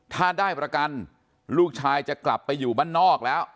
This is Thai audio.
ถ้าได้ประกันลูกชายจะกลับไปอยู่บ้านนอกแล้ว